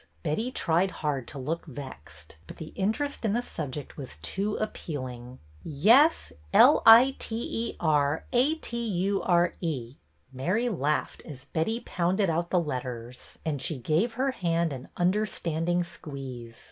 " Betty tried hard to look vexed, but the interest in the subject was too appealing. VeSj L i t e r a t u r e !" Mary laughed as Betty pounded out the letters, and she gave her hand an understanding squeeze.